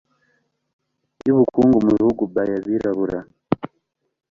y ubukungu mu bihugu by abarabu